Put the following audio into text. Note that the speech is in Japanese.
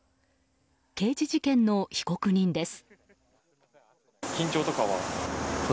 刑事事件の被告人です。